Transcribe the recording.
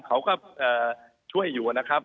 เขาก็ช่วยอยู่นะครับ